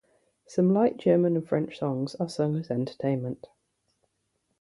Some light German and French songs are sung as entertainment.